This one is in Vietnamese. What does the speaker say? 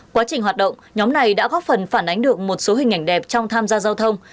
quá trình hoạt động nhóm này đã góp phần phản ánh được một số hình ảnh đẹp trong tham gia giao thông